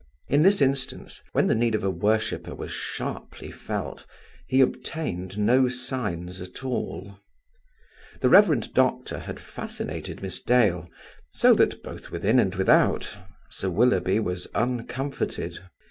In this instance, when the need of a worshipper was sharply felt, he obtained no signs at all. The Rev. Doctor had fascinated Miss Dale; so that, both within and without, Sir Willoughby was uncomforted.